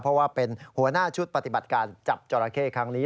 เพราะว่าเป็นหัวหน้าชุดปฏิบัติการจับจอราเข้ครั้งนี้